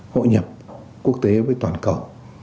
hội nhập quốc tế với toàn cầu